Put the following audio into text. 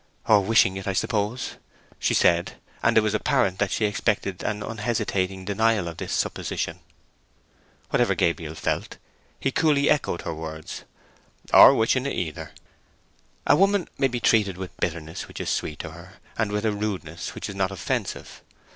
"Or wishing it, I suppose," she said; and it was apparent that she expected an unhesitating denial of this supposition. Whatever Gabriel felt, he coolly echoed her words— "Or wishing it either." A woman may be treated with a bitterness which is sweet to her, and with a rudeness which is not offensive.